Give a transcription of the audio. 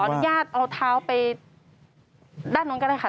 อนุญาตเอาเท้าไปด้านนู้นก็ได้ค่ะ